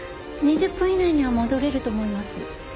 ２０分以内には戻れると思います。